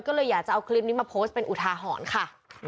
ก็เลยอยากจะเอาคลิปนี้มาโพสต์เป็นอุทาหรณ์ค่ะ